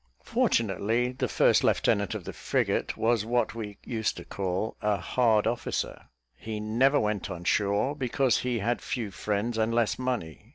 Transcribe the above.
Fortunately, the first lieutenant of the frigate was what we used to call "a hard officer;" he never went on shore, because he had few friends and less money.